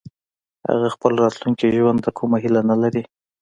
هغه خپل راتلونکي ژوند ته کومه هيله نه لري